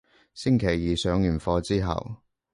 星期二上完課之後